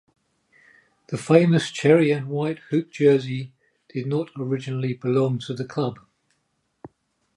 The famous cherry-and-white-hooped jersey did not originally belong to the club.